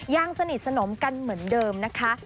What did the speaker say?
ยังสนิทสนมกันเหมือนเดิมนะคะ